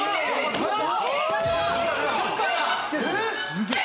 すげえ。